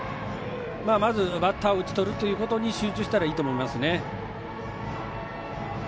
まず、バッターを打ち取るということに集中したらいいと思いますね。